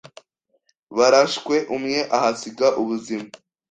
barashwe umwe ahasiga ubuzima